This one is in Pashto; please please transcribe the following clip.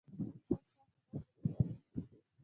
ایا ستاسو غږ به پورته شي؟